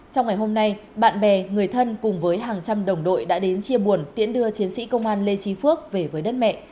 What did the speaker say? trong ngày hôm nay bạn bè người thân cùng với hàng trăm đồng đội đã đến chia buồn tiễn đưa chiến sĩ công an lê trí phước về với đất mẹ